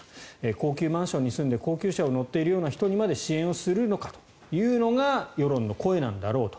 高級マンションに住んで高級車に乗っているような人にまで支援をするのかというのが世論の声なんだろうと。